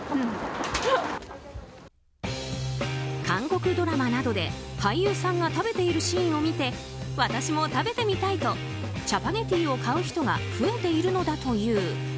韓国ドラマなどで俳優さんが食べているシーンを見て私も食べてみたいとチャパゲティを買う人が増えているのだという。